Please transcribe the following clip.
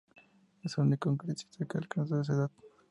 Es el único congresista que ha alcanzado esa edad.